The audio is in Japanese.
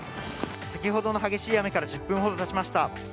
先ほどの激しい雨から１０分ほどがたちました。